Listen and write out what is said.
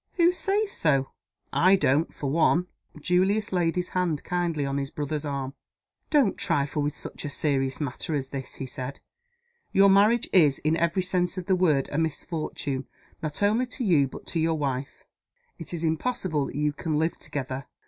"Who says so? I don't, for one." Julius laid his hand kindly on his brother's arm. "Don't trifle with such a serious matter as this," he said. "Your marriage is, in every sense of the word, a misfortune not only to you but to your wife. It is impossible that you can live together.